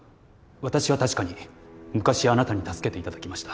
私は確かに昔あなたに助けていただきました。